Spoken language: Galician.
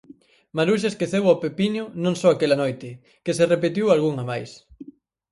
Maruxa esqueceu ó Pepiño non só aquela noite, que se repetiu algunha máis.